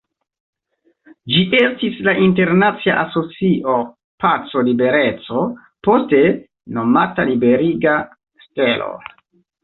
Ĝi estis la Internacia Asocio Paco-Libereco, poste nomata Liberiga Stelo.